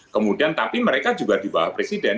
kemudian tapi mereka juga di bawah presiden